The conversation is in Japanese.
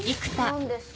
何ですか？